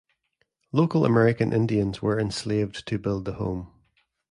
Local American Indians were enslaved to build the home.